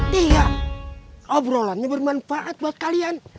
tiga obrolannya bermanfaat buat kalian